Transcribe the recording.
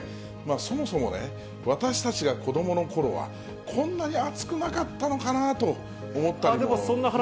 そもそもね、私たちが子どものころは、こんなに暑くなかったのかなと思ったりも。